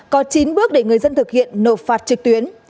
có chín bước để người dân thực hiện nộp phạt trực tuyến